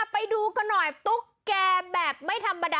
ไปดูกันหน่อยตุ๊กแกแบบไม่ธรรมดา